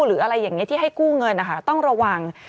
หรืออะไรอย่างนี้ที่ให้กู้เงินนะคะต้องระวัง